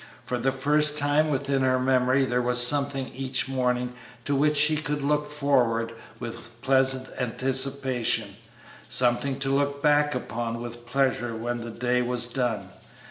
For the first time within her memory there was something each morning to which she could look forward with pleasant anticipation; something to look back upon with pleasure when the day was done.